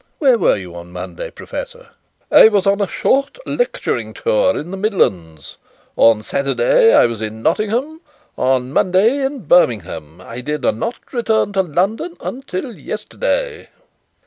Where were you on Monday, Professor?" "I was on a short lecturing tour in the Midlands. On Saturday I was in Nottingham. On Monday in Birmingham. I did not return to London until yesterday."